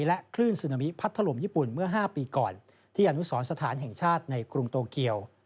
และคลื่นซึนามิพัดถล่มญี่ปุ่นเมื่อ๕ปีก่อนที่อนุสรสถานแห่งชาติในกรุงโตเกียว